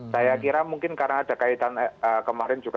saya kira mungkin karena ada kaitan kemarin juga